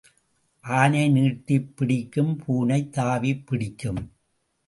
ஆனை நீட்டிப் பிடிக்கும் பூனை தாவிப் பிடிக்கும்.